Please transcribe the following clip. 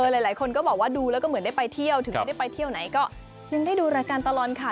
หลายคนก็บอกว่าดูแล้วก็เหมือนได้ไปเที่ยวถึงไม่ได้ไปเที่ยวไหนก็ยังได้ดูรายการตลอดข่าว